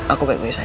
aku baik baik saja